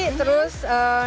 untuk umum lagu